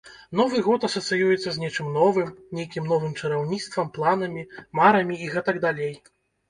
Новы год асацыюецца з нечым новым, нейкім новым чараўніцтвам, планамі, марамі і гэтак далей.